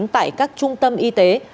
tại các trung tâm y tế